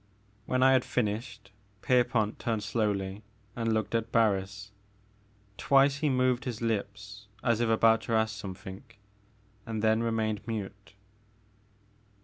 When I had finished, Pierpont turned slowly and looked at Barris. Twice he moved his lips as if about to ask something and then remained mute.